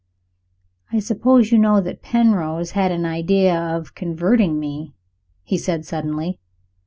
"I suppose you know that Penrose had an idea of converting me?" he said, suddenly.